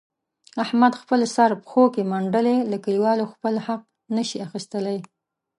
احمد خپل سر پښو کې منډلی، له کلیوالو خپل حق هم نشي اخستلای.